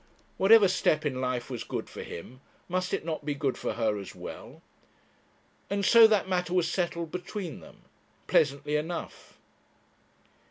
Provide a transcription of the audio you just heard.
Whatever step in life was good for him, must it not be good for her as well? And so that matter was settled between them pleasantly enough.